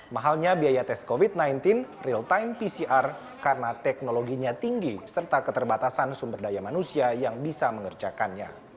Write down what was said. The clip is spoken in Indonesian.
mahalnya biaya tes covid sembilan belas real time pcr karena teknologinya tinggi serta keterbatasan sumber daya manusia yang bisa mengerjakannya